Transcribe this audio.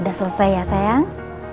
udah selesai ya sayang